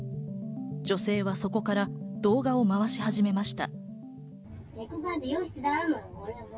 女性はそこから動画をまわし始めました。